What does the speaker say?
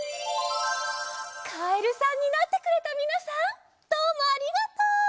カエルさんになってくれたみなさんどうもありがとう。